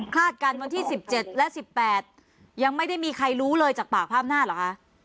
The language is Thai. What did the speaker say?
ฆาตกันวันที่สิบเจ็ดและสิบแปดยังไม่ได้มีใครรู้เลยจากปากพระอำนาจเหรอคะ